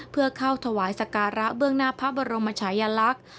เพื่อเข้าถวายสการะเบื้องหน้าพระบรมชายลักษณ์